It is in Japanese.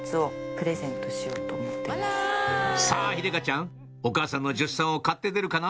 さぁ秀香ちゃんお母さんの助手さんを買って出るかな？